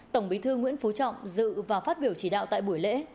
tổng bí thư nguyễn phú trọng dự và phát biểu chỉ đạo tại buổi lễ